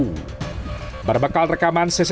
berbekal rekaman cctv keluarga korban melaporkan kejadian ini